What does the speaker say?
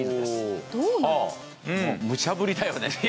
むちゃ振りだよね。